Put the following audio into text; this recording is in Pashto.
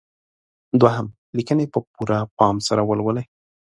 دوهم: لیکنې په پوره پام سره ولولئ.